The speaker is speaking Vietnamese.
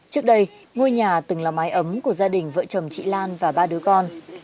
trước đây ngôi nhà từng là mái ấm của gia đình vợ chồng chị lan và ba đứa con